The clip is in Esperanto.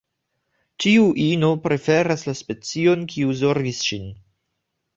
Ĉiu ino preferas la specion, kiu zorgis ŝin.